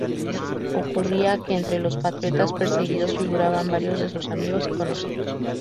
Ocurría que entre los patriotas perseguidos figuraban varios de sus amigos y conocidos.